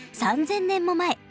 ３，０００年も前！